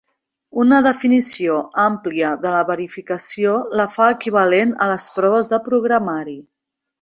Una definició àmplia de la verificació la fa equivalent a les proves de programari.